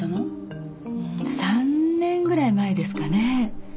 んっと３年ぐらい前ですかね。